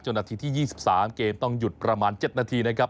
นาทีที่๒๓เกมต้องหยุดประมาณ๗นาทีนะครับ